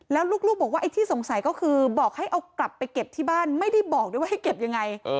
แล้วลูกบอกว่าไอ้ที่สงสัยก็คือบอกให้เอากลับไปเก็บที่บ้านไม่ได้บอกด้วยว่าให้เก็บยังไง